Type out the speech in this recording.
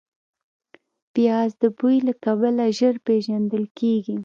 پیاز د بوی له کبله ژر پېژندل کېږي